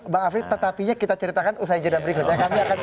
bang afri tetapinya kita ceritakan usai jeda berikut ya